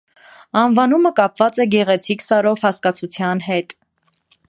Անվանումը կապված է «գեղեցիկ սարով» հասկացության հետ։